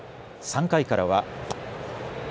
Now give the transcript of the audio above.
３回からは。